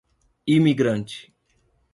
Imigrante